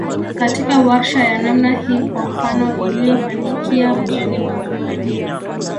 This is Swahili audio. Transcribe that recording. katika warsha ya namna hii kwa mfano iliyofanyikia mjini Bagamoyo